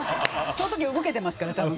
その時動けてますから、多分。